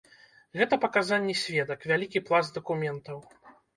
Гэта паказанні сведак, вялікі пласт дакументаў.